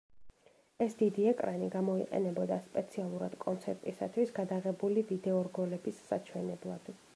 ეს დიდი ეკრანი გამოიყენებოდა სპეციალურად კონცერტისათვის გადაღებული ვიდეორგოლების საჩვენებლად.